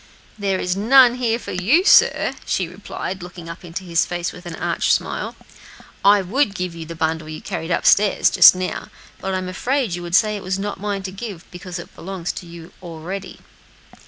"There is none here for you, sir," she replied, looking up into his face with an arch smile. "I would give you the bundle you carried up stairs, just now, but I'm afraid you would say that was not mine to give, because it belongs to you already."